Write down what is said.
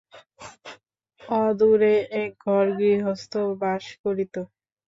অদূরে একঘর গৃহস্থ বাস করিত।